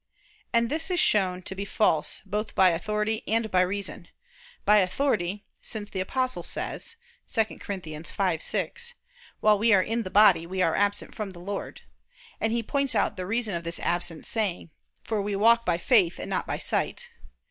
And this is shown to be false, both by authority and by reason. By authority, since the Apostle says (2 Cor. 5:6): "While we are in the body, we are absent from the Lord"; and he points out the reason of this absence, saying: "For we walk by faith and not by sight."